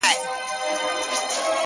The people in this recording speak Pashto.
په اور دي وسوځم؛ په اور مي مه سوځوه؛